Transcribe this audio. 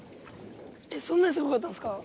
えっそんなにすごかったんですか？